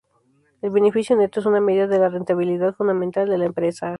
El beneficio neto es una medida de la rentabilidad fundamental de la empresa.